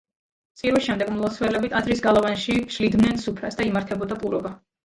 წირვის შემდეგ მლოცველები ტაძრის გალავანში შლიდნენ სუფრას და იმართებოდა პურობა.